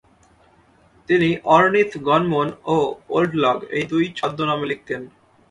তিনি অর্নিথগনমোন ও ওল্ড লগ এই দুই ছদ্মনামে লিখতেন।